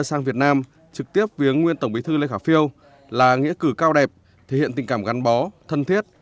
sang việt nam trực tiếp viếng nguyên tổng bí thư lê khả phiêu là nghĩa cử cao đẹp thể hiện tình cảm gắn bó thân thiết